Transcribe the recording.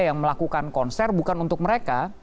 yang melakukan konser bukan untuk mereka